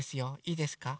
いいですか？